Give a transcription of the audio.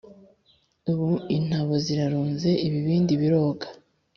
Ubu intabo zirarunze Ibibindi biroga